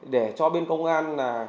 để cho bên công an